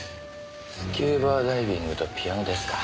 スキューバダイビングとピアノですか。